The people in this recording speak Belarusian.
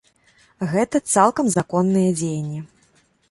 Гэта цалкам законныя дзеянні.